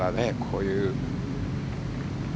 こういう。